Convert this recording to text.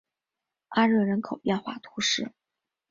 阿热人口变化图示